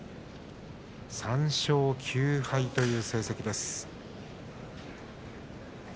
３勝９敗という成績です。